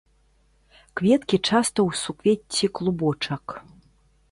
Кветкі часта ў суквецці клубочак.